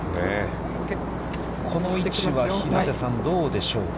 この位置は平瀬さん、どうでしょうか。